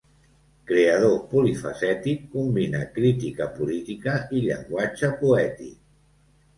Creador polifacètic, combina crítica política i llenguatge poètic.